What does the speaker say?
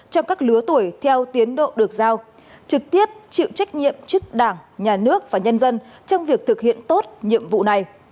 cho các lứa tuổi theo tiến độ được giao trực tiếp chịu trách nhiệm trước đảng nhà nước và nhân dân trong việc thực hiện tốt nhiệm vụ này